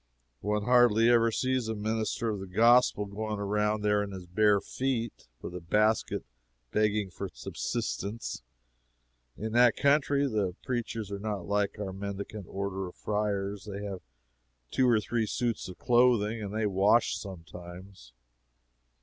One hardly ever sees a minister of the gospel going around there in his bare feet, with a basket, begging for subsistence. In that country the preachers are not like our mendicant orders of friars they have two or three suits of clothing, and they wash sometimes.